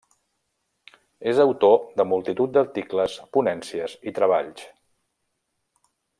És autor de multitud d'articles, ponències i treballs.